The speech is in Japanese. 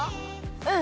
うん！